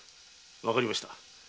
わかりました。